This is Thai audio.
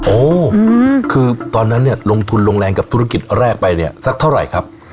โอ้คือตอนนั้นเนี่ยลงทุนลงแรงกับธุรกิจแรกไปเนี่ยสักเท่าไหร่ครับ